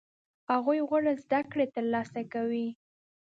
هغوی غوره زده کړې ترلاسه کوي.